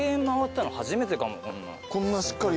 こんなしっかり。